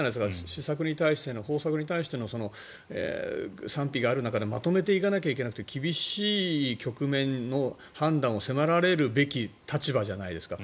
施策に対しての、方策に対しての賛否がある中でまとめていかなきゃいけなくて厳しい局面の判断を迫られるべき立場じゃないですか。